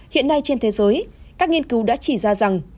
hiện nay trên thế giới các nghiên cứu đã chỉ ra rằng